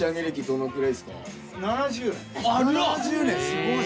すごい！